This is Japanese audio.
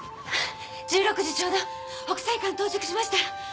１６時ちょうど北斎館到着しました。